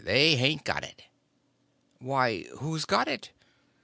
They hain't got it." "Why, who's got it?"